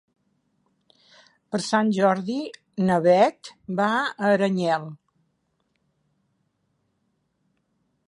Per Sant Jordi na Beth va a Aranyel.